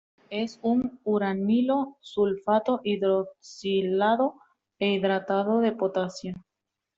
Es un uranilo-sulfato hidroxilado e hidratado de potasio.